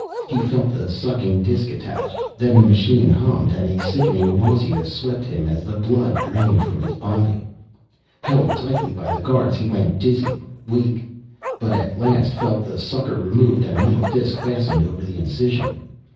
He felt the sucking disk attached; then the machine hummed, and a sickening nausea swept him as the blood drained from his body. Held tightly by the guards he went dizzy, weak, but at last felt the sucker removed and a metal disk fastened over the incision.